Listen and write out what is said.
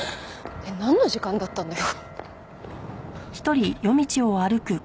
なんの時間だったんだよ。